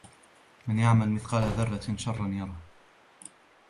ومن يعمل مثقال ذرة شرا يره